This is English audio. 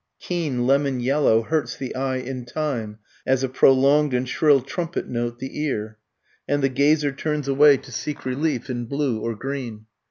Keen lemon yellow hurts the eye in time as a prolonged and shrill trumpet note the ear, and the gazer turns away to seek relief in blue or green.